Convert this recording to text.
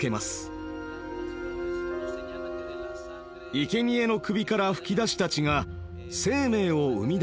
いけにえの首から噴き出した血が生命を生み出すと考えられたのです。